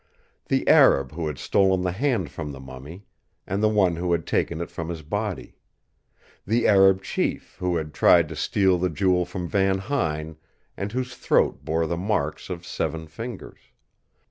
The Arab who had stolen the hand from the mummy; and the one who had taken it from his body. The Arab chief who had tried to steal the Jewel from Van Huyn, and whose throat bore the marks of seven fingers.